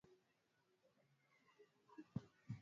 ya vileo kimsingi ni ugonjwa sugu wa kinyurobiolojia kutokana